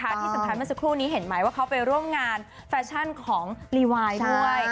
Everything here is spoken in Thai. ที่สำคัญเมื่อสักครู่นี้เห็นไหมว่าเขาไปร่วมงานแฟชั่นของลีวายด้วย